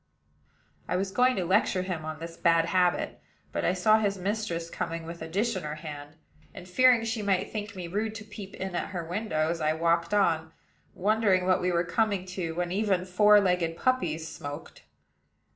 I was going to lecture him on this bad habit; but I saw his mistress coming with a dish in her hand, and, fearing she might think me rude to peep in at her windows, I walked on, wondering what we were coming to when even four legged puppies smoked.